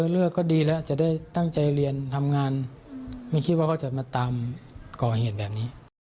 เลือกก็ดีแล้วจะได้ตั้งใจเรียนทำงานไม่คิดว่าเขาจะมาตามก่อเหตุแบบนี้